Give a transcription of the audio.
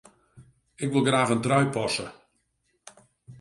Ik wol graach in trui passe.